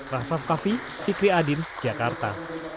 rafa fafi fikri adin jakarta